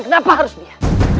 kenapa harus dia